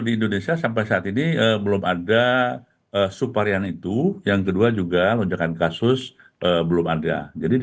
di indonesia sampai saat ini belum ada subvarian itu yang kedua juga lonjakan kasus belum ada jadi di